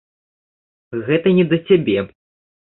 Гэта не да цябе.